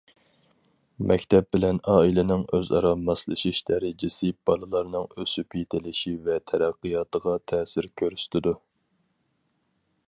مەكتەپ بىلەن ئائىلىنىڭ ئۆزئارا ماسلىشىش دەرىجىسى بالىلارنىڭ ئۆسۈپ يېتىلىشى ۋە تەرەققىياتىغا تەسىر كۆرسىتىدۇ.